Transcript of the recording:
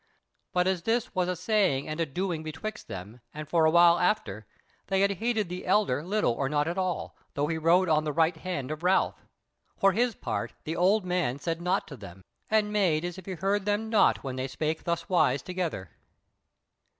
But as this was a saying and a doing betwixt them, and a while after, they had heeded the Elder little or not at all, though he rode on the right hand of Ralph. And for his part the old man said naught to them and made as if he heard them not, when they spake thuswise together.